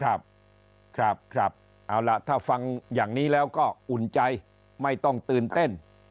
ครับครับเอาล่ะถ้าฟังอย่างนี้แล้วก็อุ่นใจไม่ต้องตื่นเต้น